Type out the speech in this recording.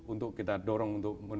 untuk kita dorong untuk